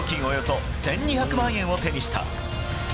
およそ１２００万円を手にした。